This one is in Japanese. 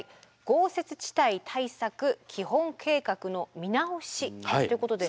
豪雪地帯対策基本計画の見直しということで。